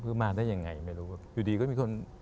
เพราะมาได้อย่างไรไม่รู้อยู่ดีก็มีคน